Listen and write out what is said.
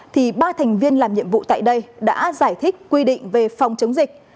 thì ba thành viên làm nhiệm vụ tại đây đã giải thích quy định về phòng chống dịch